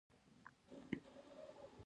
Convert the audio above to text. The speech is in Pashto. بایسکلونه مختلف ډوله دي.